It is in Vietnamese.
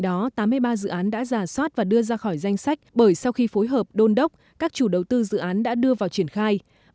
do đó tám mươi ba dự án đã giả soát và đưa ra khỏi danh sách bởi sau khi phối hợp đôn đốc các chủ đầu tư dự án đã đưa vào triển khai